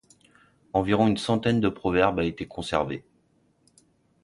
Environ une centaine de proverbes a été conservée.